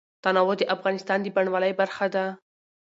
تنوع د افغانستان د بڼوالۍ برخه ده.